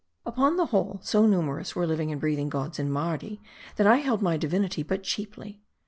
Upon the whole, so numerous were living and breathing gods in Mardi, that I held my divinity but cheaply.